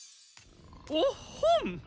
おっほん！